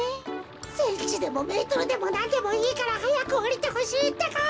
センチでもメートルでもなんでもいいからはやくおりてほしいってか。